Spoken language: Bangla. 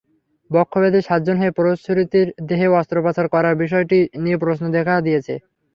বক্ষব্যাধির সার্জন হয়ে প্রসূতির দেহে অস্ত্রোপচার করায় বিষয়টি নিয়ে প্রশ্ন দেখা দিয়েছে।